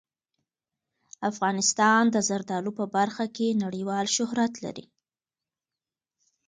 افغانستان د زردالو په برخه کې نړیوال شهرت لري.